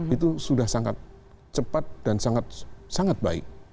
itu sudah sangat cepat dan sangat baik